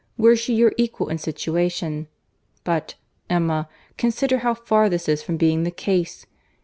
Were she your equal in situation—but, Emma, consider how far this is from being the case.